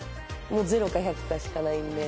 ゼロか１００かしかないんで。